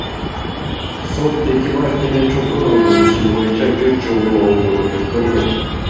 Сот Текебаев менен Чотоновдун иши боюнча бир жолу отурум өткөргөн.